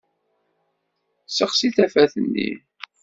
Sexsi tafat-nni!